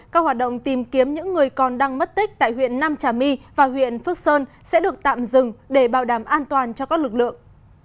các hoạt động tìm kiếm những người còn đang mất tích tại huyện nam trà my và huyện phước sơn sẽ được tạm dừng để bảo đảm an toàn cho các lực lượng